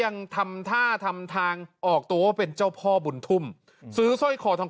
น้องเอพี่อ่ะโดนเมียทิ้ง